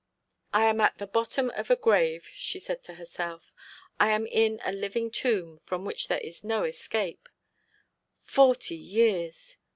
'I am at the bottom of a grave,' she said to herself. 'I am in a living tomb, from which there is no escape. Forty years!